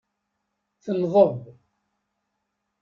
Tenḍeb.